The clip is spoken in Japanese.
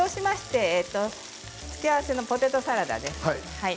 付け合わせのポテトサラダです。